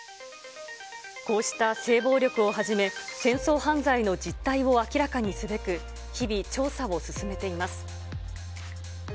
こうした性暴力をはじめ、戦争犯罪の実態を明らかにすべく、日々調査を進めています。